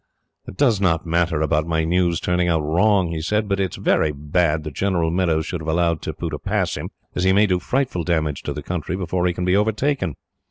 "It does not matter about my news turning out wrong," he said, "but it is very bad that General Meadows should have allowed Tippoo to pass him, as he may do frightful damage to the country, before he can be overtaken."